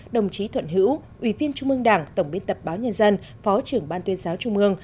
đồng chí thuận hữu ủy viên trung mương đảng tổng biên tập báo nhân dân phó trưởng ban tuyên giáo trung ương